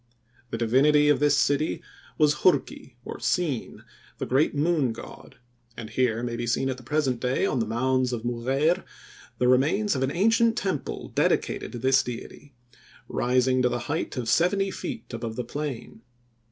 The divinity of this city was Hurki, or Sin, the great Moon God, and here may be seen at the present day on the mounds of Mugheir the remains of an ancient temple dedicated to this deity, rising to the height of seventy feet above the plain.